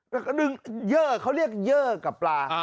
แล้วก็เรียกเยอะเขาเรียกเยอะกับปลา